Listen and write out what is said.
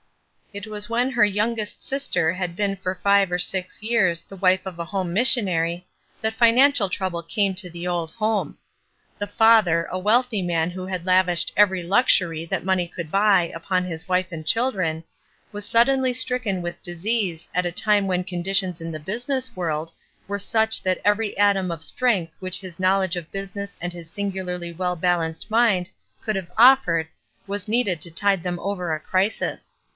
It was when her youngest sister had been for five or six years the wife of a home missionary that financial trouble came to the old home. The father, a wealthy man who had lavished every luxury that money could buy upon his 24 ESTER RIED'S NAMESAKE wife and children, was suddenly stricken with disease at a time when conditions in the busi ness world were such that every atom of strength which his knowledge of business and his singularly well balanced mind could have offered was needed to tide them over a crisis.